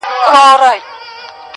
څوك به اوښكي تويوي پر مينانو!